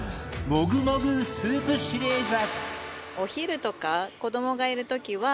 もぐもぐスープシリーズ